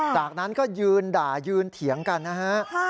จากนั้นก็ยืนด่ายืนเถียงกันนะฮะ